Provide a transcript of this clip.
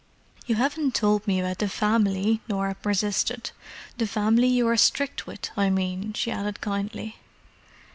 "You haven't told me about the family," Norah persisted. "The family you are strict with, I mean," she added kindly.